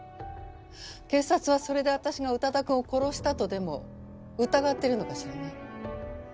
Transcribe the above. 警察はそれで私が宇多田くんを殺したとでも疑ってるのかしらね？